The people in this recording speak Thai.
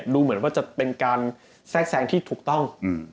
ดูเหมือนว่าจะเป็นการแทรกแซงที่ถูกต้อง